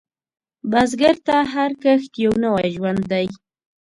بزګر ته هر کښت یو نوی ژوند دی